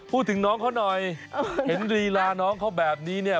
พูดถึงน้องเขาหน่อยเห็นลีลาน้องเขาแบบนี้เนี่ย